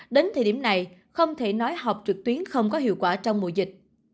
đến thời điểm này không thể nói họp trực tuyến không có hiệu quả trong mùa dịch